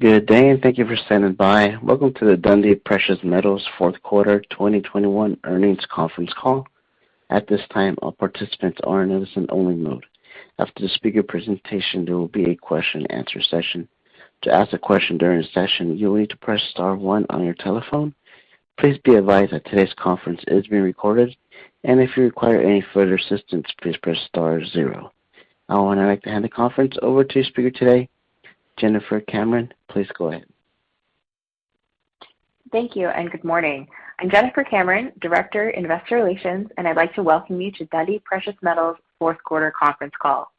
Good day, and thank you for standing by. Welcome to the Dundee Precious Metals fourth quarter 2021 earnings conference call. At this time, all participants are in listen-only mode. After the speaker presentation, there will be a question and answer session. To ask a question during the session, you'll need to press star one on your telephone. Please be advised that today's conference is being recorded, and if you require any further assistance, please press star zero. I would like to hand the conference over to speaker today, Jennifer Cameron. Please go ahead. Thank you and good morning. I'm Jennifer Cameron, Director, Investor Relations, and I'd like to welcome you to Dundee Precious Metals fourth quarter conference call.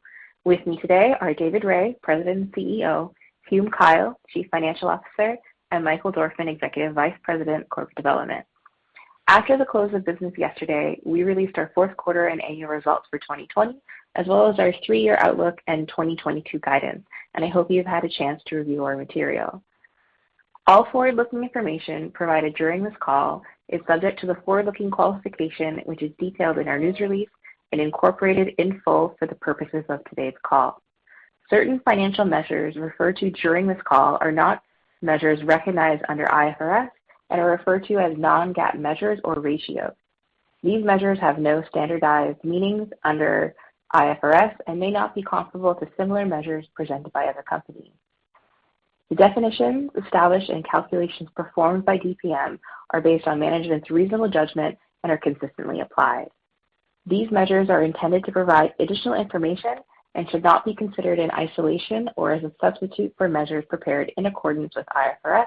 With me today are David Rae, President and CEO, Hume Kyle, Chief Financial Officer, and Michael Dorfman, Executive Vice President, Corporate Development. After the close of business yesterday, we released our fourth quarter and annual results for 2020, as well as our three-year outlook and 2022 guidance. I hope you have had a chance to review our material. All forward-looking information provided during this call is subject to the forward-looking qualification, which is detailed in our news release and incorporated in full for the purposes of today's call. Certain financial measures referred to during this call are not measures recognized under IFRS and are referred to as non-GAAP measures or ratios. These measures have no standardized meanings under IFRS and may not be comparable to similar measures presented by other companies. The definitions established and calculations performed by DPM are based on management's reasonable judgment and are consistently applied. These measures are intended to provide additional information and should not be considered in isolation or as a substitute for measures prepared in accordance with IFRS,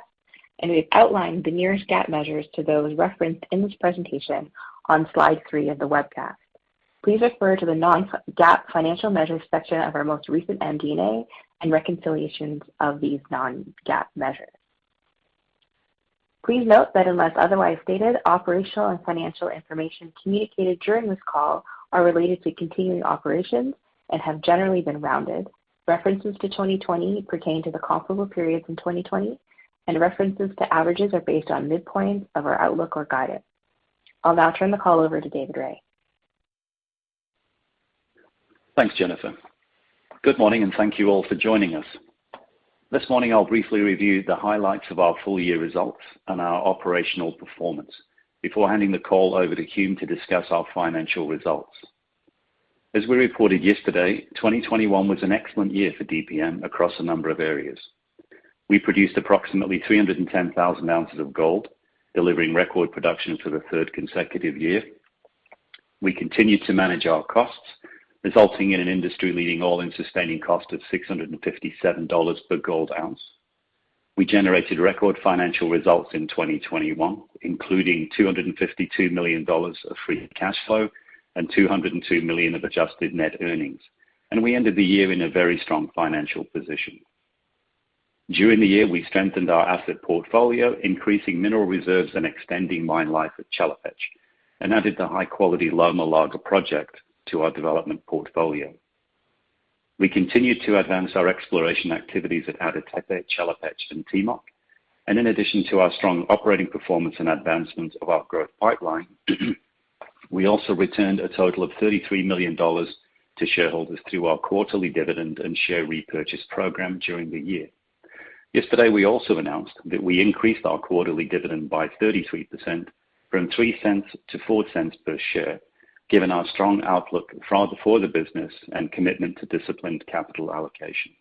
and we've outlined the nearest GAAP measures to those referenced in this presentation on slide 3 of the webcast. Please refer to the non-GAAP financial measure section of our most recent MD&A and reconciliations of these non-GAAP measures. Please note that unless otherwise stated, operational and financial information communicated during this call are related to continuing operations and have generally been rounded. References to 2020 pertain to the comparable periods in 2020, and references to averages are based on midpoint of our outlook or guidance. I'll now turn the call over to David Rae. Thanks, Jennifer. Good morning, and thank you all for joining us. This morning, I'll briefly review the highlights of our full year results and our operational performance before handing the call over to Hume to discuss our financial results. As we reported yesterday, 2021 was an excellent year for DPM across a number of areas. We produced approximately 310,000 ounces of gold, delivering record production for the third consecutive year. We continued to manage our costs, resulting in an industry-leading all-in sustaining cost of $657 per gold ounce. We generated record financial results in 2021, including $252 million of free cash flow and $202 million of adjusted net earnings. We ended the year in a very strong financial position. During the year, we strengthened our asset portfolio, increasing mineral reserves and extending mine life at Chelopech, and added the high-quality Loma Larga project to our development portfolio. We continued to advance our exploration activities at Ada Tepe, Chelopech, and Timok. In addition to our strong operating performance and advancement of our growth pipeline, we also returned a total of $33 million to shareholders through our quarterly dividend and share repurchase program during the year. Yesterday, we also announced that we increased our quarterly dividend by 33% from $0.03 to $0.04 per share, given our strong outlook for the business and commitment to disciplined capital allocation.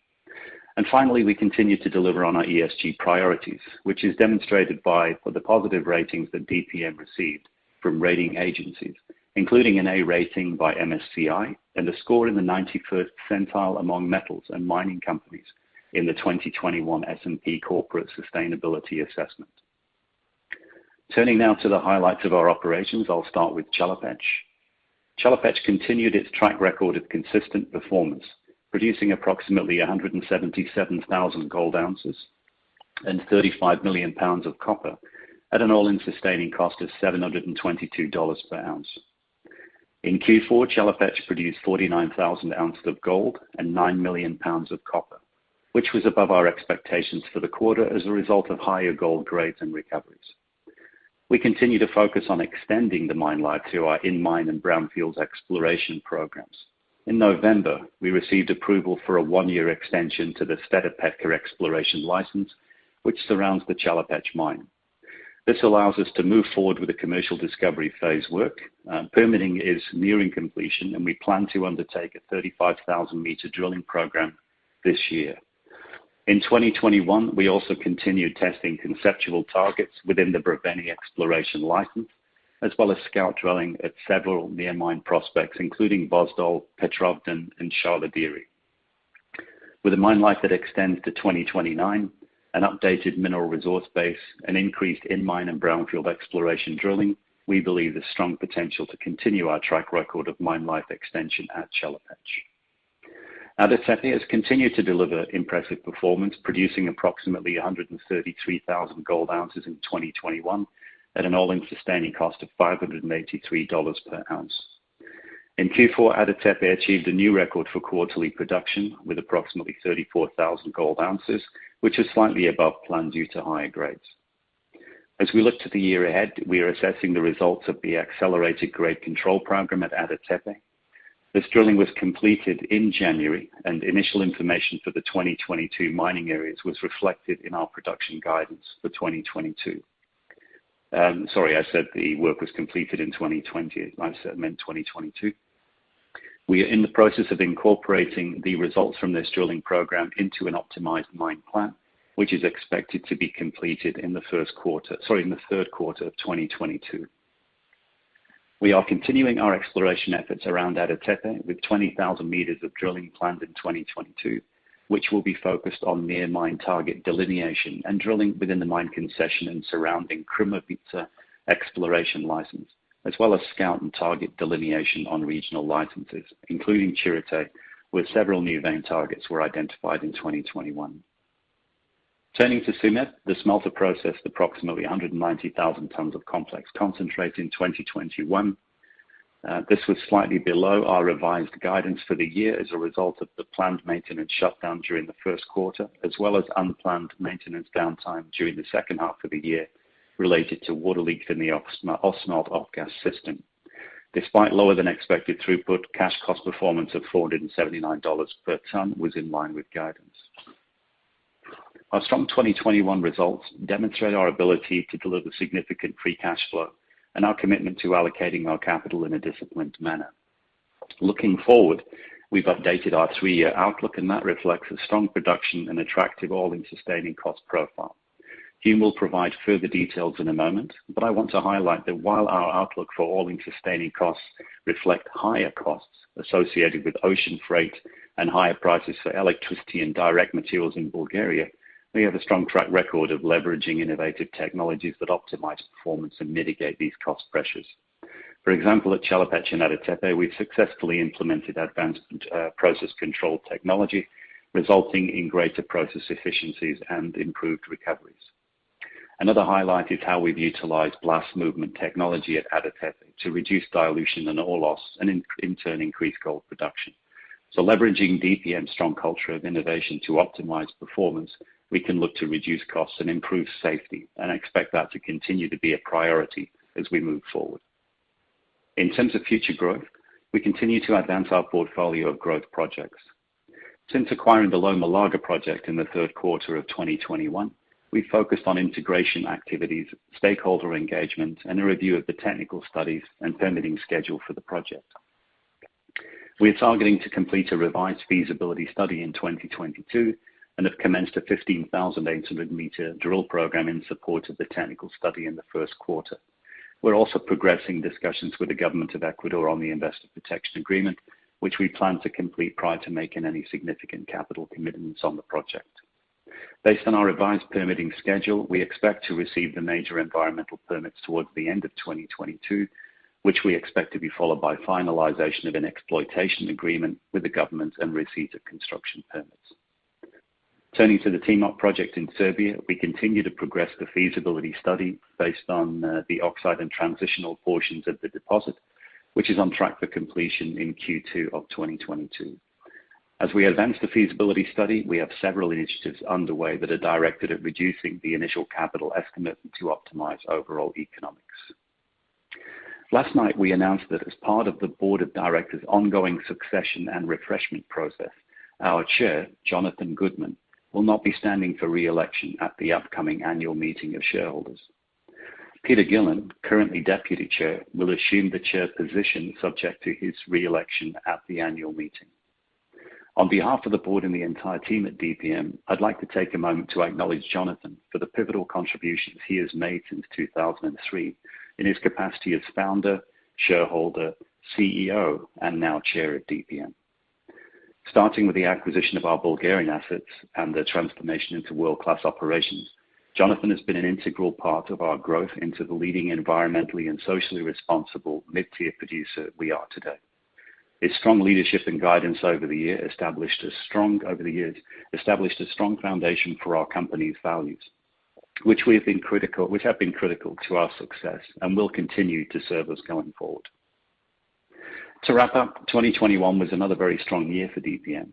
Finally, we continued to deliver on our ESG priorities, which is demonstrated by the positive ratings that DPM received from rating agencies, including an A rating by MSCI and a score in the 91st percentile among metals and mining companies in the 2021 S&P Global Corporate Sustainability Assessment. Turning now to the highlights of our operations, I'll start with Chelopech. Chelopech continued its track record of consistent performance, producing approximately 177,000 gold ounces and 35 million pounds of copper at an all-in sustaining cost of $722 per ounce. In Q4, Chelopech produced 49,000 ounces of gold and 9 million pounds of copper, which was above our expectations for the quarter as a result of higher gold grades and recoveries. We continue to focus on extending the mine life through our in-mine and brownfields exploration programs. In November, we received approval for a one-year extension to the Sveta Petka exploration license, which surrounds the Chelopech mine. This allows us to move forward with the commercial discovery phase work. Permitting is nearing completion, and we plan to undertake a 35,000-meter drilling program this year. In 2021, we also continued testing conceptual targets within the Brevene exploration license, as well as scout drilling at several near-mine prospects, including Vozdol, Petrovden, and Sharlo Dere. With a mine life that extends to 2029, an updated mineral resource base, an increased in-mine and brownfield exploration drilling, we believe in the strong potential to continue our track record of mine life extension at Chelopech. Ada Tepe has continued to deliver impressive performance, producing approximately 133,000 gold ounces in 2021 at an all-in sustaining cost of $583 per ounce. In Q4, Ada Tepe achieved a new record for quarterly production with approximately 34,000 gold ounces, which is slightly above plan due to higher grades. As we look to the year ahead, we are assessing the results of the accelerated grade control program at Ada Tepe. This drilling was completed in January 2022, and initial information for the 2022 mining areas was reflected in our production guidance for 2022. We are in the process of incorporating the results from this drilling program into an optimized mine plan, which is expected to be completed in the third quarter of 2022. We are continuing our exploration efforts around Ada Tepe with 20,000 meters of drilling planned in 2022, which will be focused on near mine target delineation and drilling within the mine concession and surrounding Krumovitsa exploration license, as well as scout and target delineation on regional licenses, including Chiirite, where several new vein targets were identified in 2021. Turning to Tsumeb, the smelter processed approximately 190,000 tons of complex concentrate in 2021. This was slightly below our revised guidance for the year as a result of the planned maintenance shutdown during the first quarter, as well as unplanned maintenance downtime during the second half of the year related to water leaks in the Ausmelt off-gas system. Despite lower than expected throughput, cash cost performance of $479 per ton was in line with guidance. Our strong 2021 results demonstrate our ability to deliver significant free cash flow and our commitment to allocating our capital in a disciplined manner. Looking forward, we've updated our three-year outlook, and that reflects a strong production and attractive all-in sustaining cost profile. Hume will provide further details in a moment, but I want to highlight that while our outlook for all-in sustaining costs reflect higher costs associated with ocean freight and higher prices for electricity and direct materials in Bulgaria, we have a strong track record of leveraging innovative technologies that optimize performance and mitigate these cost pressures. For example, at Chelopech and Ada Tepe, we've successfully implemented advanced process control technology, resulting in greater process efficiencies and improved recoveries. Another highlight is how we've utilized blast movement technology at Ada Tepe to reduce dilution and ore loss, and in turn, increase gold production. Leveraging DPM's strong culture of innovation to optimize performance, we can look to reduce costs and improve safety, and I expect that to continue to be a priority as we move forward. In terms of future growth, we continue to advance our portfolio of growth projects. Since acquiring the Loma Larga project in the third quarter of 2021, we've focused on integration activities, stakeholder engagement, and a review of the technical studies and permitting schedule for the project. We're targeting to complete a revised feasibility study in 2022 and have commenced a 15,800-meter drill program in support of the technical study in the first quarter. We're also progressing discussions with the government of Ecuador on the Investment Protection Agreement, which we plan to complete prior to making any significant capital commitments on the project. Based on our revised permitting schedule, we expect to receive the major environmental permits towards the end of 2022, which we expect to be followed by finalization of an exploitation agreement with the government and receipt of construction permits. Turning to the Timok project in Serbia, we continue to progress the feasibility study based on the oxide and transitional portions of the deposit, which is on track for completion in Q2 of 2022. As we advance the feasibility study, we have several initiatives underway that are directed at reducing the initial capital estimate to optimize overall economics. Last night, we announced that as part of the board of directors' ongoing succession and refreshment process, our Chair, Jonathan Goodman, will not be standing for re-election at the upcoming annual meeting of shareholders. Peter Gillin, currently Deputy Chair, will assume the Chair position subject to his re-election at the annual meeting. On behalf of the board and the entire team at DPM, I'd like to take a moment to acknowledge Jonathan Goodman for the pivotal contributions he has made since 2003 in his capacity as founder, shareholder, CEO, and now Chair at DPM. Starting with the acquisition of our Bulgarian assets and the transformation into world-class operations, Jonathan Goodman has been an integral part of our growth into the leading environmentally and socially responsible mid-tier producer we are today. His strong leadership and guidance over the years established a strong foundation for our company's values, which have been critical to our success and will continue to serve us going forward. To wrap up, 2021 was another very strong year for DPM.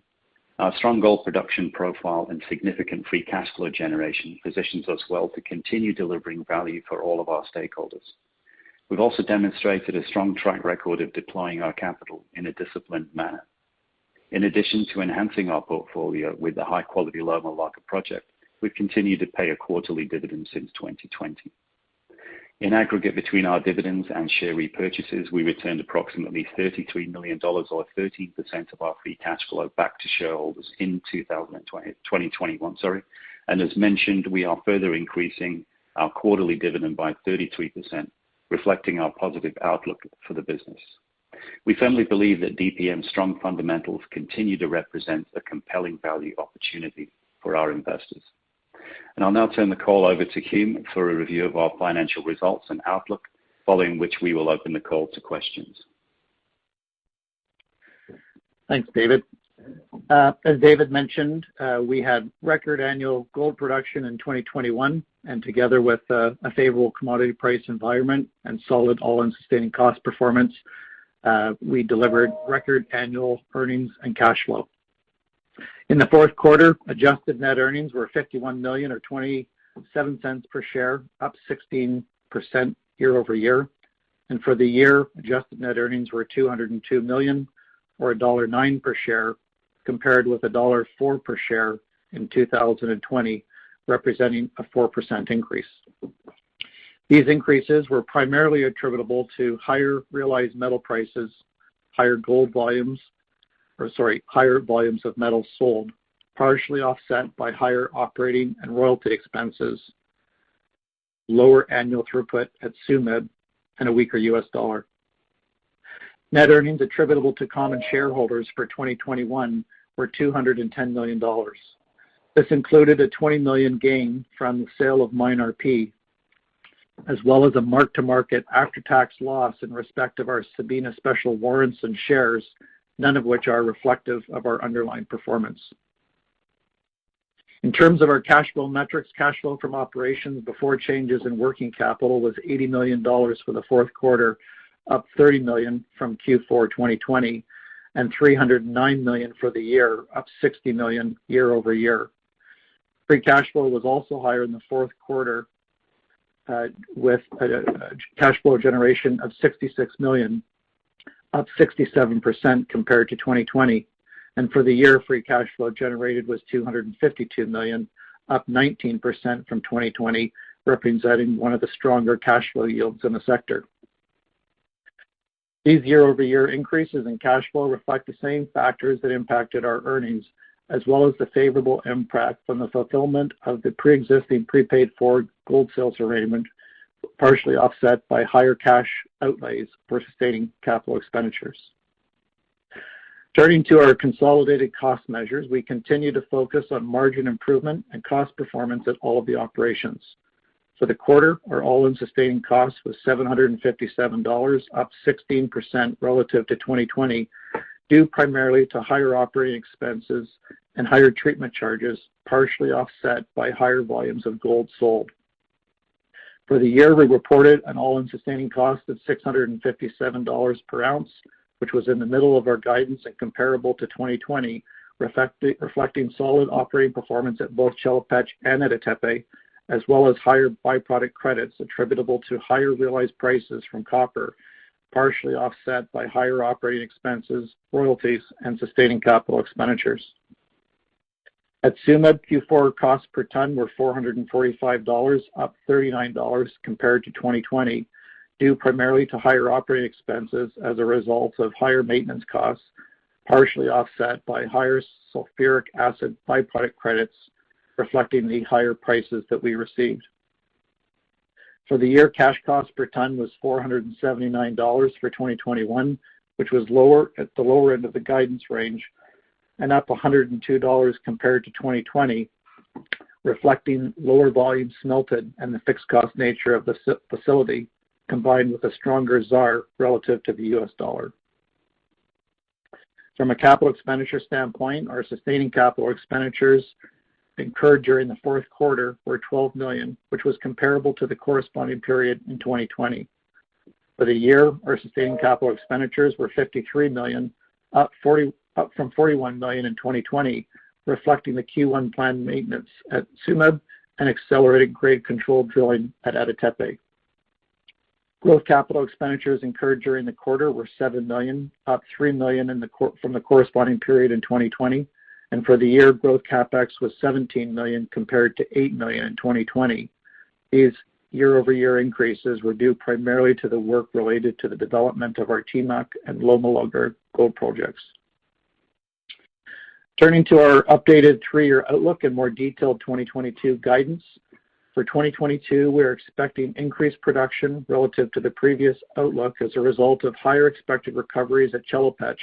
Our strong gold production profile and significant free cash flow generation positions us well to continue delivering value for all of our stakeholders. We've also demonstrated a strong track record of deploying our capital in a disciplined manner. In addition to enhancing our portfolio with the high-quality Loma Larga project, we've continued to pay a quarterly dividend since 2020. In aggregate between our dividends and share repurchases, we returned approximately $33 million or 13% of our free cash flow back to shareholders in 2021, sorry. As mentioned, we are further increasing our quarterly dividend by 33%, reflecting our positive outlook for the business. We firmly believe that DPM's strong fundamentals continue to represent a compelling value opportunity for our investors. I'll now turn the call over to Hume for a review of our financial results and outlook, following which we will open the call to questions. Thanks, David. As David mentioned, we had record annual gold production in 2021, and together with a favorable commodity price environment and solid all-in sustaining cost performance, we delivered record annual earnings and cash flow. In the fourth quarter, adjusted net earnings were $51 million, or $0.27 per share, up 16% year-over-year. For the year, adjusted net earnings were $202 million, or $1.09 per share, compared with $1.04 per share in 2020, representing a 4% increase. These increases were primarily attributable to higher realized metal prices, higher volumes of metal sold, partially offset by higher operating and royalty expenses, lower annual throughput at Tsumeb, and a weaker U.S. dollar. Net earnings attributable to common shareholders for 2021 were $210 million. This included a $20 million gain from the sale of MineRP, as well as a mark-to-market after-tax loss in respect of our Sabina special warrants and shares, none of which are reflective of our underlying performance. In terms of our cash flow metrics, cash flow from operations before changes in working capital was $80 million for the fourth quarter, up $30 million from Q4 2020, and $309 million for the year, up $60 million year-over-year. Free cash flow was also higher in the fourth quarter, with cash flow generation of $66 million, up 67% compared to 2020. For the year, free cash flow generated was $252 million, up 19% from 2020, representing one of the stronger cash flow yields in the sector. These year-over-year increases in cash flow reflect the same factors that impacted our earnings, as well as the favorable impact from the fulfillment of the pre-existing prepaid-for gold sales arrangement, partially offset by higher cash outlays for sustaining capital expenditures. Turning to our consolidated cost measures, we continue to focus on margin improvement and cost performance at all of the operations. For the quarter, our all-in sustaining cost was $757, up 16% relative to 2020, due primarily to higher operating expenses and higher treatment charges, partially offset by higher volumes of gold sold. For the year, we reported an all-in sustaining cost of $657 per ounce, which was in the middle of our guidance and comparable to 2020, reflecting solid operating performance at both Chelopech and at Ada Tepe, as well as higher by-product credits attributable to higher realized prices from copper, partially offset by higher operating expenses, royalties, and sustaining capital expenditures. At Tsumeb, Q4 costs per ton were $445, up $39 compared to 2020, due primarily to higher operating expenses as a result of higher maintenance costs, partially offset by higher sulfuric acid by-product credits reflecting the higher prices that we received. For the year, cash cost per ton was $479 for 2021, which was lower, at the lower end of the guidance range and up $102 compared to 2020, reflecting lower volumes smelted and the fixed cost nature of the Tsumeb facility, combined with a stronger ZAR relative to the US dollar. From a capital expenditure standpoint, our sustaining capital expenditures incurred during the fourth quarter were $12 million, which was comparable to the corresponding period in 2020. For the year, our sustaining capital expenditures were $53 million, up $40 million from $41 million in 2020, reflecting the Q1 planned maintenance at Tsumeb and accelerated grade control drilling at Ada Tepe. Growth capital expenditures incurred during the quarter were $7 million, up $3 million from the corresponding period in 2020, and for the year, growth CapEx was $17 million compared to $8 million in 2020. These year-over-year increases were due primarily to the work related to the development of our Timok and Loma Larga gold projects. Turning to our updated three-year outlook and more detailed 2022 guidance. For 2022, we are expecting increased production relative to the previous outlook as a result of higher expected recoveries at Chelopech,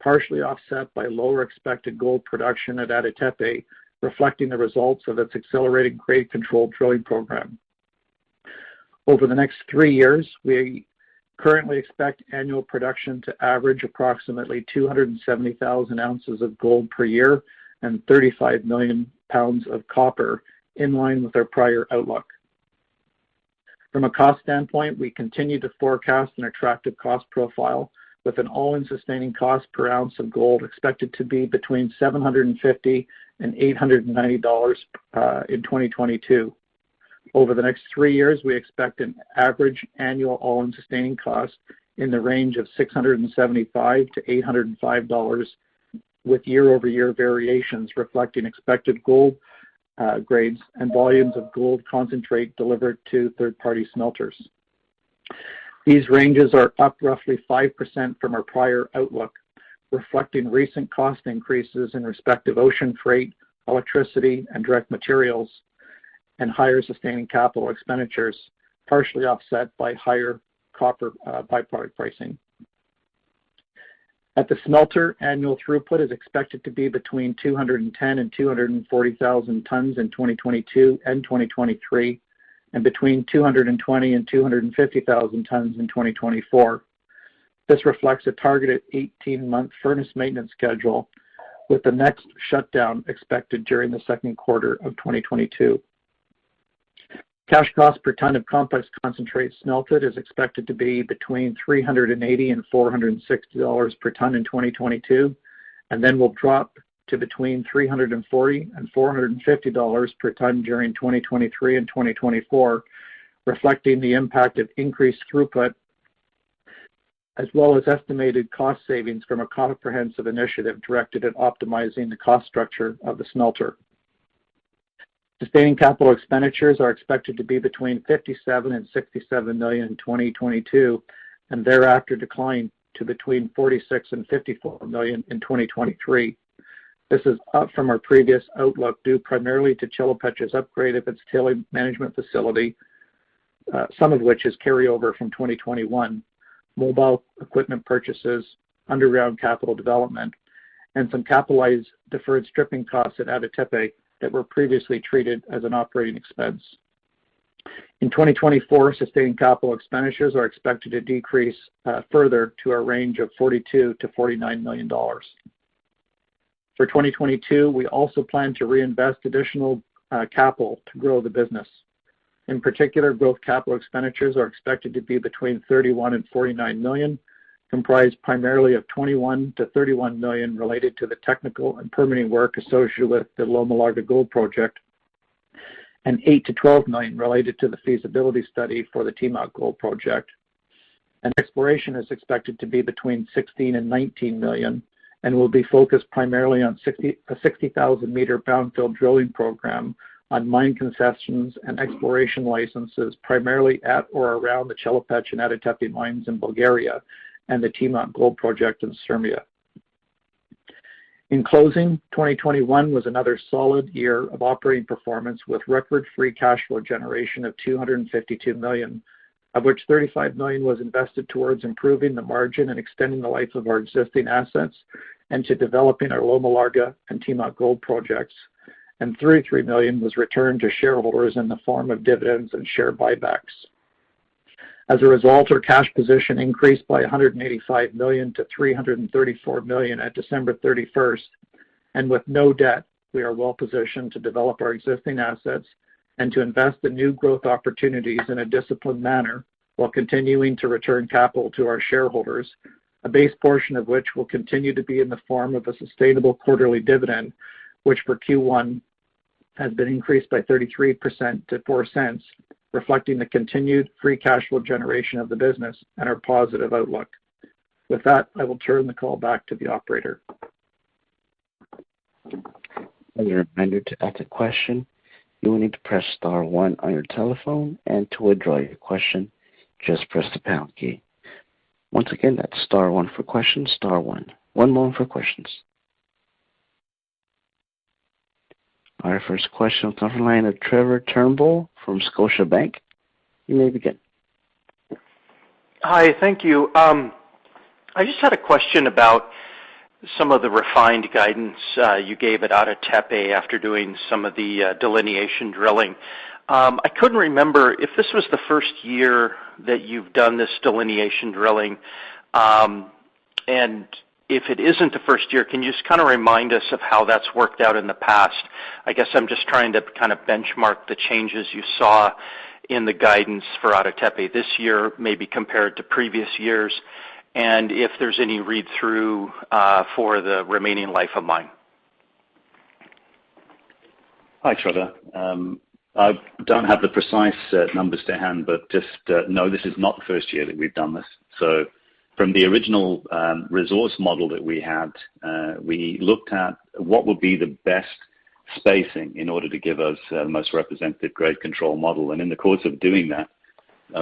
partially offset by lower expected gold production at Ada Tepe, reflecting the results of its accelerated grade control drilling program. Over the next three years, we currently expect annual production to average approximately 270,000 ounces of gold per year and 35 million pounds of copper, in line with our prior outlook. From a cost standpoint, we continue to forecast an attractive cost profile with an all-in sustaining cost per ounce of gold expected to be between $750 and $890 in 2022. Over the next three years, we expect an average annual all-in sustaining cost in the range of $675-$805, with year-over-year variations reflecting expected gold grades and volumes of gold concentrate delivered to third-party smelters. These ranges are up roughly 5% from our prior outlook, reflecting recent cost increases in respective ocean freight, electricity, and direct materials, and higher sustaining capital expenditures, partially offset by higher copper by-product pricing. At the smelter, annual throughput is expected to be between 210,000 and 240,000 tons in 2022 and 2023, and between 220,000 and 250,000 tons in 2024. This reflects a targeted 18-month furnace maintenance schedule, with the next shutdown expected during the second quarter of 2022. Cash cost per ton of complex concentrate smelted is expected to be between $380 and $460 per ton in 2022, and then will drop to between $340 and $450 per ton during 2023 and 2024, reflecting the impact of increased throughput as well as estimated cost savings from a comprehensive initiative directed at optimizing the cost structure of the smelter. Sustaining capital expenditures are expected to be between $57 million and $67 million in 2022, and thereafter decline to between $46 million and $54 million in 2023. This is up from our previous outlook due primarily to Chelopech's upgrade of its tailings management facility, some of which is carryover from 2021, Mobile equipment purchases, underground capital development, and some capitalized deferred stripping costs at Ada Tepe that were previously treated as an operating expense. In 2024, sustained capital expenditures are expected to decrease further to a range of $42 million-$49 million. For 2022, we also plan to reinvest additional capital to grow the business. In particular, growth capital expenditures are expected to be between $31 million and $49 million, comprised primarily of $21 million-$31 million related to the technical and permitting work associated with the Loma Larga gold project, and $8 million-$12 million related to the feasibility study for the Timok gold project. Exploration is expected to be between $16 million and $19 million and will be focused primarily on a 60,000-meter brownfield drilling program on mine concessions and exploration licenses, primarily at or around the Chelopech and Ada Tepe mines in Bulgaria and the Timok gold project in Serbia. In closing, 2021 was another solid year of operating performance, with record free cash flow generation of $252 million, of which $35 million was invested towards improving the margin and extending the life of our existing assets and to developing our Loma Larga and Timok gold projects, and $33 million was returned to shareholders in the form of dividends and share buybacks. As a result, our cash position increased by $185 million to $334 million at December 31. With no debt, we are well positioned to develop our existing assets and to invest in new growth opportunities in a disciplined manner while continuing to return capital to our shareholders, a base portion of which will continue to be in the form of a sustainable quarterly dividend, which for Q1 has been increased by 33% to $0.04, reflecting the continued free cash flow generation of the business and our positive outlook. With that, I will turn the call back to the operator. As a reminder to ask a question, you will need to press star one on your telephone, and to withdraw your question, just press the pound key. Once again, that's star one for questions, star one. One moment for questions. Our first question on the line of Trevor Turnbull from Scotiabank. You may begin. Hi. Thank you. I just had a question about some of the refined guidance you gave at Ada Tepe after doing some of the delineation drilling. I couldn't remember if this was the first year that you've done this delineation drilling. If it isn't the first year, can you just kind of remind us of how that's worked out in the past? I guess I'm just trying to kind of benchmark the changes you saw in the guidance for Ada Tepe this year, maybe compared to previous years, and if there's any read-through for the remaining life of mine. Thanks, Trevor. I don't have the precise numbers to hand, but this is not the first year that we've done this. From the original resource model that we had, we looked at what would be the best spacing in order to give us the most representative grade control model. In the course of doing that,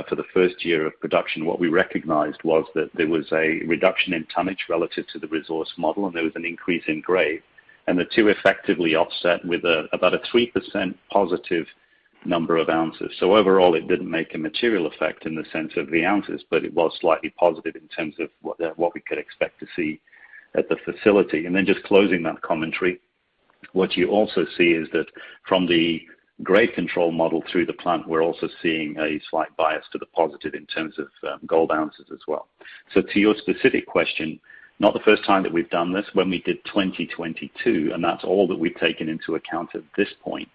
for the first year of production, what we recognized was that there was a reduction in tonnage relative to the resource model, and there was an increase in grade. The two effectively offset with about a 3% positive number of ounces. Overall, it didn't make a material effect in the sense of the ounces, but it was slightly positive in terms of what we could expect to see at the facility. Just closing that commentary, what you also see is that from the grade control model through the plant, we're also seeing a slight bias to the positive in terms of gold ounces as well. To your specific question, not the first time that we've done this. When we did 2022, and that's all that we've taken into account at this point,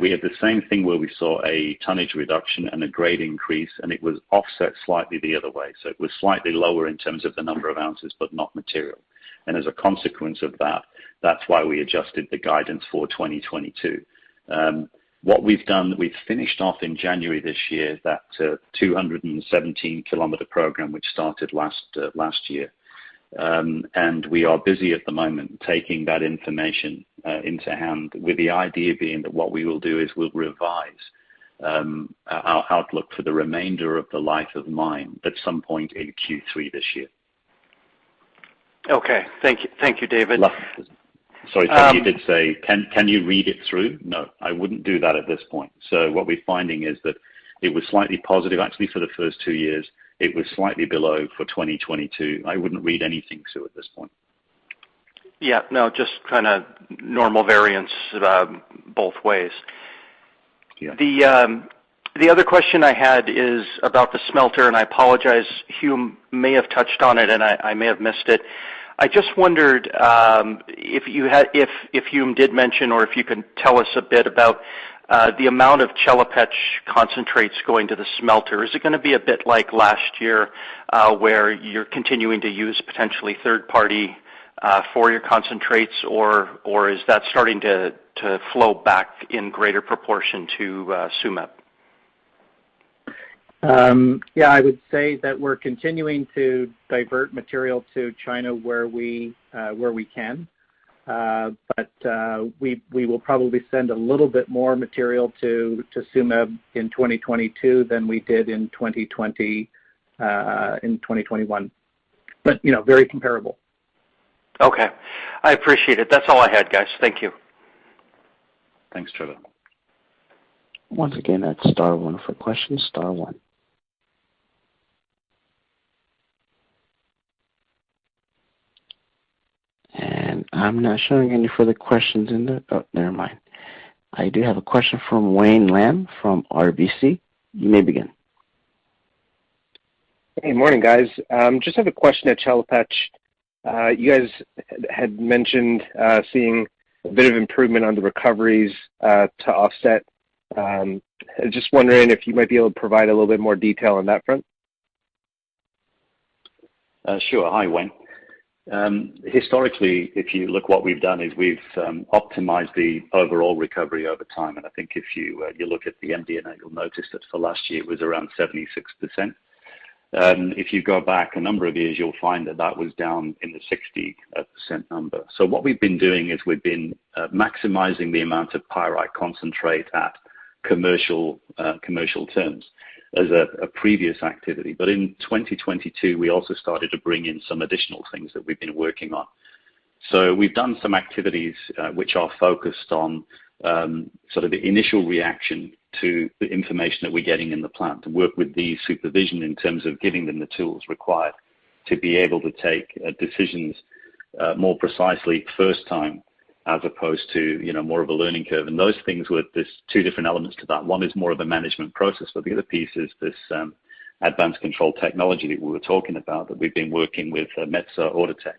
we had the same thing where we saw a tonnage reduction and a grade increase, and it was offset slightly the other way. It was slightly lower in terms of the number of ounces, but not material. As a consequence of that's why we adjusted the guidance for 2022. What we've done, we've finished off in January this year, that 217 km program, which started last year. We are busy at the moment taking that information into hand with the idea being that what we will do is we'll revise our outlook for the remainder of the life of mine at some point in Q3 this year. Okay. Thank you. Thank you, David. Sorry. Um- You did say, can you read it through? No, I wouldn't do that at this point. What we're finding is that it was slightly positive actually for the first two years. It was slightly below for 2022. I wouldn't read anything to it at this point. Yeah. No, just kinda normal variance, both ways. Yeah. The other question I had is about the smelter, and I apologize. Hume may have touched on it, and I may have missed it. I just wondered if Hume did mention or if you can tell us a bit about the amount of Chelopech concentrates going to the smelter. Is it gonna be a bit like last year where you're continuing to use potentially third-party for your concentrates? Or is that starting to flow back in greater proportion to Tsumeb? Yeah, I would say that we're continuing to divert material to China where we can. We will probably send a little bit more material to Tsumeb in 2022 than we did in 2021. You know, very comparable. Okay. I appreciate it. That's all I had, guys. Thank you. Thanks, Trevor. Once again, that's star one for questions, star one. I'm not showing any further questions in the. Oh, never mind. I do have a question from Wayne Lam from RBC. You may begin. Hey. Morning, guys. Just have a question at Chelopech. You guys had mentioned seeing a bit of improvement on the recoveries to offset. Just wondering if you might be able to provide a little bit more detail on that front. Sure. Hi, Wayne. Historically, if you look what we've done is we've optimized the overall recovery over time. I think if you look at the MD&A, you'll notice that for last year it was around 76%. If you go back a number of years, you'll find that was down in the 60% number. What we've been doing is we've been maximizing the amount of pyrite concentrate at commercial terms as a previous activity. In 2022, we also started to bring in some additional things that we've been working on. We've done some activities, which are focused on sort of initial reaction to the information that we're getting in the plant to work with the supervisors in terms of giving them the tools required to be able to take decisions more precisely first time, as opposed to, you know, more of a learning curve. Those things were these two different elements to that. One is more of a management process, but the other piece is this advanced control technology that we were talking about, that we've been working with Metso Outotec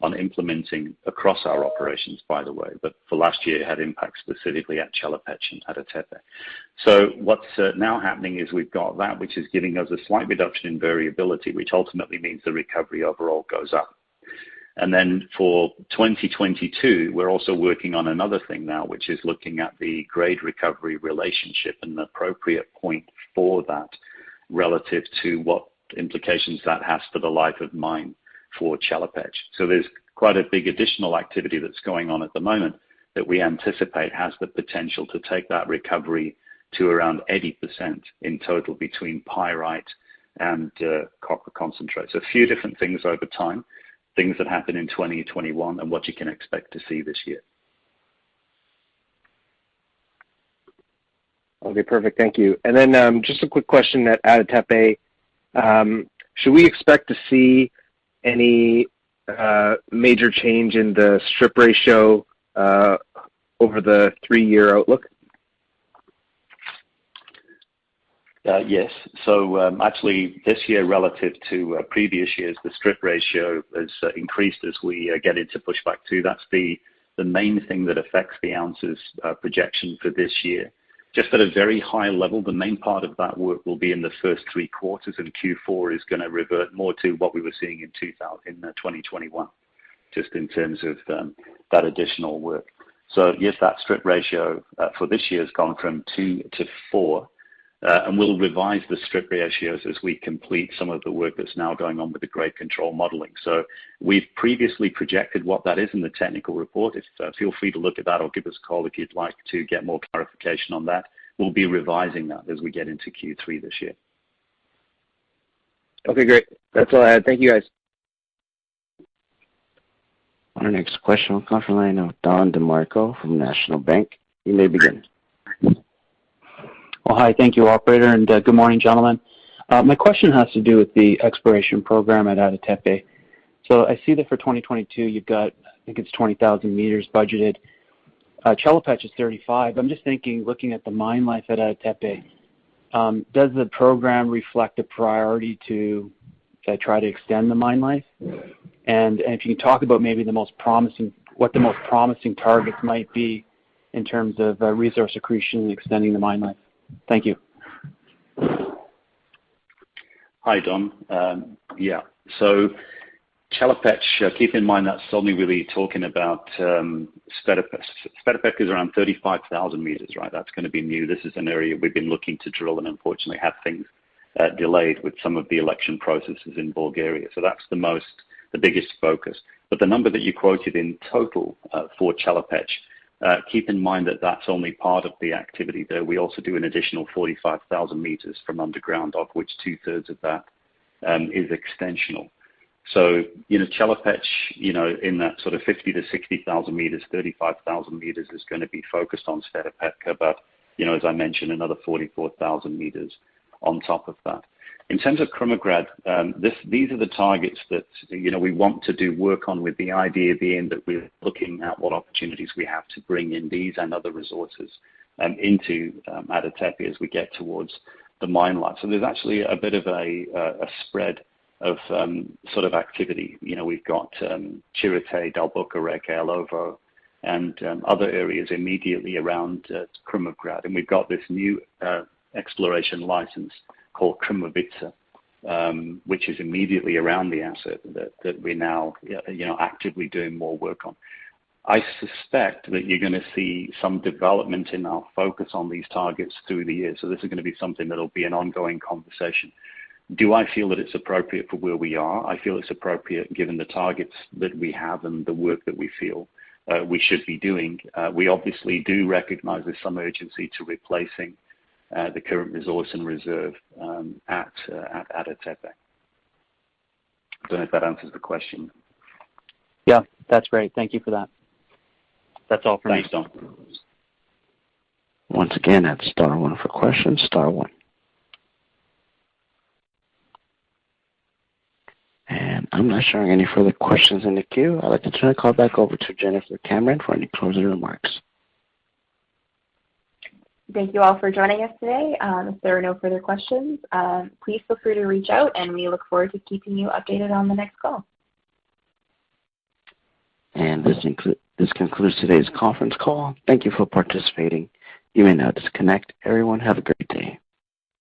on implementing across our operations, by the way. For last year, it had impact specifically at Chelopech and at Ada Tepe. What's now happening is we've got that which is giving us a slight reduction in variability, which ultimately means the recovery overall goes up. For 2022, we're also working on another thing now, which is looking at the grade recovery relationship and the appropriate point for that relative to what implications that has for the life of mine for Chelopech. There's quite a big additional activity that's going on at the moment that we anticipate has the potential to take that recovery to around 80% in total between pyrite and copper concentrate. A few different things over time, things that happened in 2021 and what you can expect to see this year. Okay. Perfect. Thank you. Just a quick question at Ada Tepe. Should we expect to see any major change in the strip ratio over the three-year outlook? Yes. Actually, this year relative to previous years, the strip ratio has increased as we get into pushback too. That's the main thing that affects the ounces projection for this year. Just at a very high level, the main part of that work will be in the first three quarters, and Q4 is gonna revert more to what we were seeing in 2021, just in terms of that additional work. Yes, that strip ratio for this year has gone from 2-4. And we'll revise the strip ratios as we complete some of the work that's now going on with the grade control modeling. We've previously projected what that is in the technical report. It's feel free to look at that or give us a call if you'd like to get more clarification on that. We'll be revising that as we get into Q3 this year. Okay, great. That's all I had. Thank you, guys. Our next question will come from the line of Don DeMarco from National Bank. You may begin. Oh, hi. Thank you, operator. Good morning, gentlemen. My question has to do with the exploration program at Ada Tepe. I see that for 2022, you've got, I think it's 20,000 meters budgeted. Chelopech is 35. I'm just thinking, looking at the mine life at Ada Tepe, does the program reflect a priority to try to extend the mine life? And if you can talk about maybe the most promising, what the most promising targets might be in terms of resource accretion and extending the mine life. Thank you. Hi, Don. Yeah. Chelopech, keep in mind that's only really talking about Sredok. Sredok is around 35,000 meters, right? That's gonna be new. This is an area we've been looking to drill and unfortunately had things delayed with some of the election processes in Bulgaria. That's the most, the biggest focus. The number that you quoted in total for Chelopech, keep in mind that that's only part of the activity there. We also do an additional 45,000 meters from underground, of which two-thirds of that is extensional. You know, Chelopech, you know, in that sort of 50,000-60,000 meters, 35,000 meters is gonna be focused on Sredok, but you know, as I mentioned, another 44,000 meters on top of that. In terms of Krumovgrad, these are the targets that, you know, we want to do work on with the idea being that we're looking at what opportunities we have to bring in these and other resources into Ada Tepe as we get towards the mine life. There's actually a bit of a spread of sort of activity. You know, we've got Chiirite, Dalboka Reka, Elovo, and other areas immediately around Krumovgrad. We've got this new exploration license called Krumovitsa, which is immediately around the asset that we're now, you know, actively doing more work on. I suspect that you're gonna see some development in our focus on these targets through the year, so this is gonna be something that'll be an ongoing conversation. Do I feel that it's appropriate for where we are? I feel it's appropriate given the targets that we have and the work that we feel we should be doing. We obviously do recognize there's some urgency to replacing the current resource and reserve at Ada Tepe. Don't know if that answers the question. Yeah, that's great. Thank you for that. That's all for now. Thanks, Don. Once again, that's star one for questions, star one. I'm not showing any further questions in the queue. I'd like to turn the call back over to Jennifer Cameron for any closing remarks. Thank you all for joining us today. If there are no further questions, please feel free to reach out, and we look forward to keeping you updated on the next call. This concludes today's conference call. Thank you for participating. You may now disconnect. Everyone, have a great day.